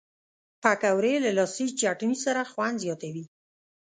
پکورې له لاسي چټني سره خوند زیاتوي